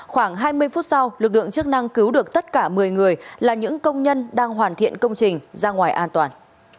khoảng hai mươi phút sau lực lượng chức năng cứu được tất cả một mươi người là những công nhân đang hoàn thiện công trình ra ngoài an toàn